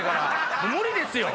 無理ですよ。